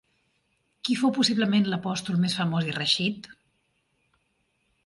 Qui fou possiblement l'apòstol més famós i reeixit?